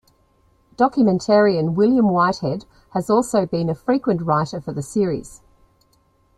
Documentarian William Whitehead has also been a frequent writer for the series.